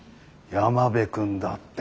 山辺君だって。